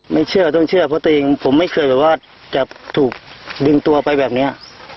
ไม่เชื่อต้องเชื่อเพราะตัวเองผมไม่เคยแบบว่าจะถูกดึงตัวไปแบบเนี้ย